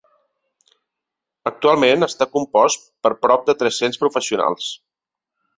Actualment està compost per prop de tres-cents professionals.